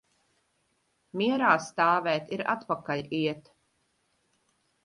Mierā stāvēt ir atpakaļ iet.